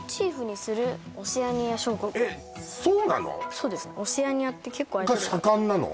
そうですねオセアニアって結構盛んなの？